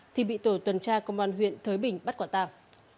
thì bị tổ tuần tra công an huyện thới bình bắt quả tàng